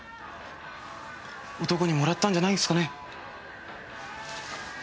男にもらったんじゃないんすかね。